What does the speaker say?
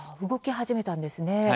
動き始めたんですね。